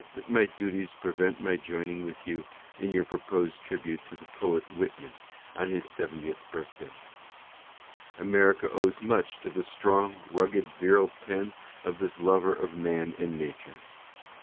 at my duties prevent my joining with you in your proposed tribute to the poet Whitman on his seventieth birthday. America owes much to the strong, rugged, virile pen of this lover of Man and Nature.